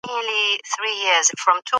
ډیډیموس او ډیمورفوس د ټکر امکان نه لري.